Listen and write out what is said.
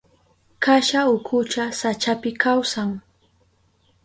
Kasha ukucha sachapi kawsan.